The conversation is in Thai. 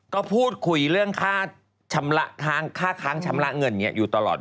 ก็พูดคุยเรื่องค่าค้างชำระเงินอยู่ตลอด